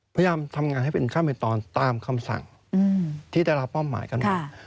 พยายามทำงานให้เป็นข้ามหิตรตามคำสั่งที่ได้รับป้อมหมายกัน